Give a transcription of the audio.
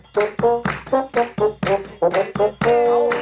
จริงอาจจะไม่ใช่